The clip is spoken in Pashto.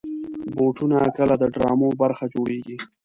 بوټونه کله د ډرامو برخه جوړېږي.